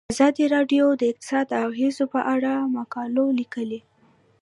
ازادي راډیو د اقتصاد د اغیزو په اړه مقالو لیکلي.